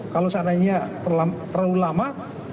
kalau seandainya terlalu lama